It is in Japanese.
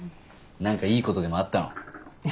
何かいいことでもあったの？